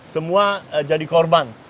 semua jadi korban